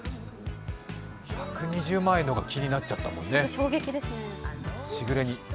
１２０万円の方が気になっちゃったもんね、志ぐれ煮。